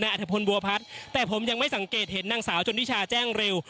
อัธพลบัวพัฒน์แต่ผมยังไม่สังเกตเห็นนางสาวจนนิชาแจ้งเร็ว